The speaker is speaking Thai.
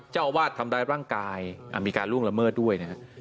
เจ้าอาวาสทำร้ายร่างกายมีการล่วงละเมิดด้วยนะครับ